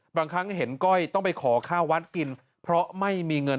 บางครั้งเห็นก้อยต้องไปขอข้าววัดกินเพราะไม่มีเงิน